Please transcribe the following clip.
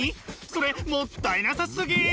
それもったいなさすぎ！